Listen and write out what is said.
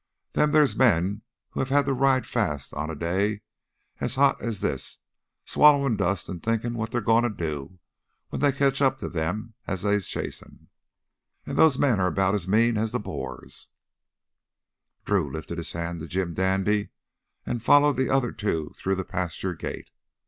Then theah's men what have had to ride fast on a day as hot as this, swallerin' dust an' thinkin' what they're gonna do when they catch up to them as they're chasin'; an' those men're 'bout as mean as the boars " Drew lifted his hand to Jim Dandy and followed the other two through the pasture gate.